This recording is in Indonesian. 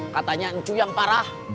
katanya ncu yang parah